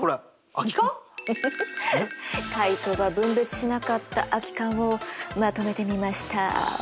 カイトが分別しなかった空き缶をまとめてみました。